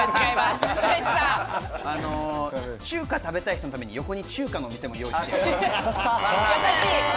中華食べたい人のために横に中華のお店も用意している。